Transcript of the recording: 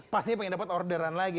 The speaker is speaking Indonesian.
pastinya pengen dapet orderan lagi